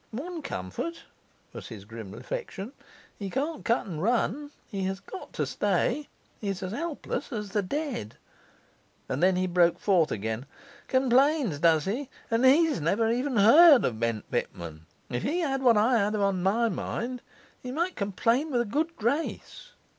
One comfort,' was his grim reflection, 'he can't cut and run he's got to stay; he's as helpless as the dead.' And then he broke forth again: 'Complains, does he? and he's never even heard of Bent Pitman! If he had what I have on my mind, he might complain with a good grace.